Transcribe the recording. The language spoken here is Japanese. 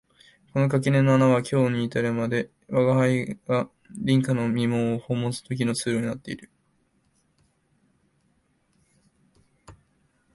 この垣根の穴は今日に至るまで吾輩が隣家の三毛を訪問する時の通路になっている